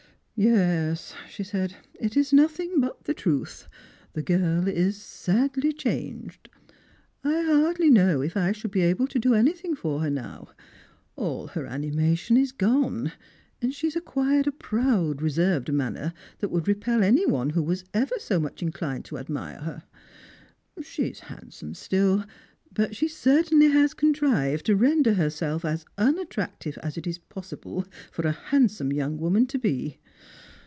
"Yes," she said, "it is nothing but the truth; the girl is sadly changed. I hardly know if 1 should be able to do any thing for her now. All her animation is gone ; and she has acquired a proud reserved manner that would repel any one who was ever so much inclined to admire her. She is handsome rtill ; but she certainly has contrived to render herself as unattrac tive as it is possible for a handsome young woman to be.